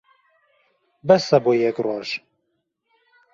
بەسە بۆ یەک ڕۆژ.